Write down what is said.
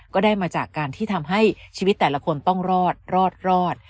ก็ได้มาจากการที่ทำให้ชีวิตแต่ละคนต้องรอดรอด